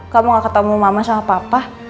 kamu gak ketemu mama sama papa